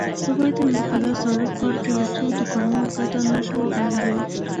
په بیت المقدس زاړه ښار کې له څو دوکانونو پرته نور ټول بند و.